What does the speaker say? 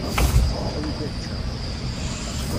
Awi-d ad eččeɣ!